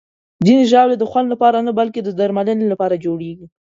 ځینې ژاولې د خوند لپاره نه، بلکې د درملنې لپاره جوړېږي.